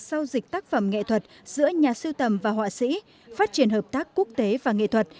sau dịch tác phẩm nghệ thuật giữa nhà sưu tầm và họa sĩ phát triển hợp tác quốc tế và nghệ thuật